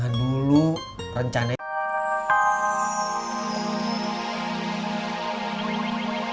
ya dulu rencananya